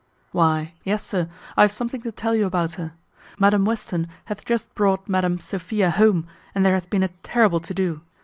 "Why yes, sir, I have something to tell you about her. Madam Western hath just brought Madam Sophia home, and there hath been a terrible to do.